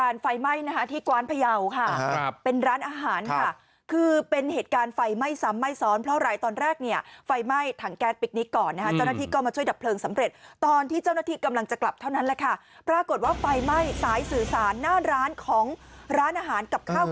รีบใดเวลาของเศร้านะครับเรากลับมากับสมุดหนึ่งของร้านอาหาร